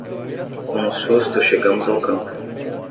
Com o susto chegamos ao campo.